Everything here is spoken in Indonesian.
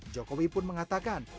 jokowi pun mengatakan